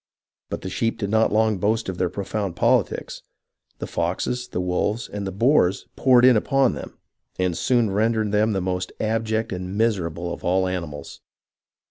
But the sheep did not long boast of their profound politics ; the foxes, the wolves, and the boars poured in upon them, THE FLIGHT ACROSS THE JERSEYS I37 and soon rendered them the most abject and miserable of all animals.